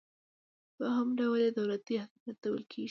دوهم ډول یې دولتي حاکمیت ته ویل کیږي.